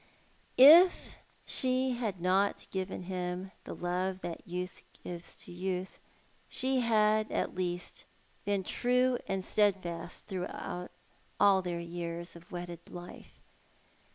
If she had not given him the love that youth gives to youth, she had at east been true and steadfast through all their years of wedded Jite.